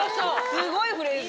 すごいフレーズ。